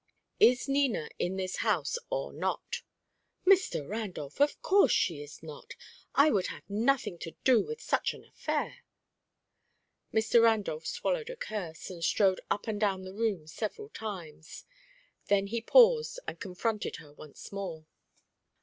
"Is Nina in this house or not?" "Mr. Randolph! Of course she is not. I would have nothing to do with such an affair." Mr. Randolph swallowed a curse, and strode up and down the room several times. Then he paused and confronted her once more.